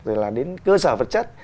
rồi là đến cơ sở vật chất